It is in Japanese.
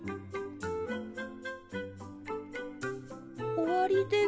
おわりです。